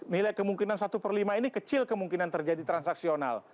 nilai kemungkinan satu per lima ini kecil kemungkinan terjadi transaksional